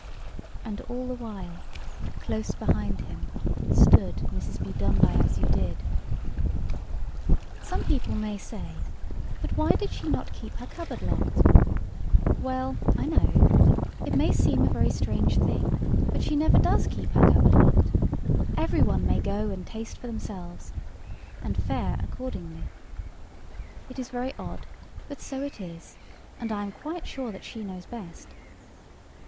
And all the while, close behind him, stood Mrs. Bedonebyasyoudid. Some people may say, But why did she not keep her cupboard locked? Well, I know.—It may seem a very strange thing, but she never does keep her cupboard locked; every one may go and taste for themselves, and fare accordingly. It is very odd, but so it is; and I am quite sure that she knows best.